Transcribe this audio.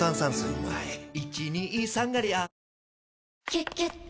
「キュキュット」